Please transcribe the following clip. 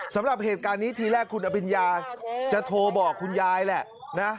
สำหรับเหตุการณ์นี้ทีแรกคุณอภิญญาจะโทรบอกคุณยายแหละนะ